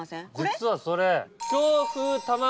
実はそれ。